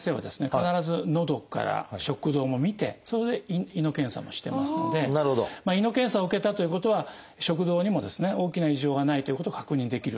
必ずのどから食道も診てそれで胃の検査もしてますので胃の検査を受けたということは食道にも大きな異常がないということを確認できる。